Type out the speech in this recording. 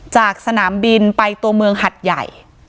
จากสนามบินไปตัวเมืองหัดใหญ่